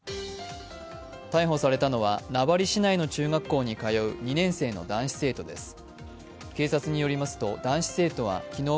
逮捕されたのは、名張市内の中学校に通う２年生の男子生徒です。